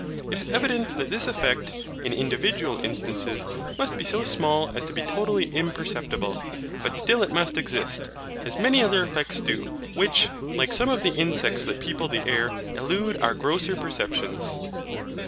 It is evident that this effect, in individual instances, must be so small as to be totally imperceptible; but still it must exist, as many other effects do, which, like some of the insects that people the air, elude our grosser perceptions.